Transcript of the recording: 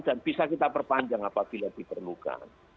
dan bisa kita perpanjang apabila diperlukan